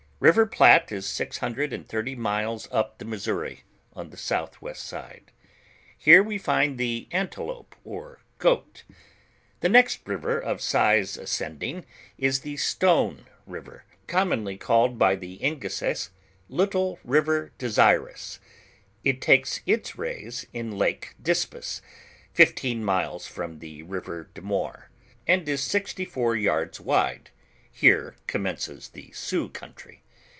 River Phttte is six hundred and thirty miles up the Missouri; oil the south west side. Here we find the An tolope or (jJoat. The next river of size ascending, is the Stone river, commonly called by the Ingaseix, Little river Desirous; it takes its raise in hike l)is;>ice, fifteen miles from the river Demoir, nnd i sixty four yards wide, here commen ces the Sioux country.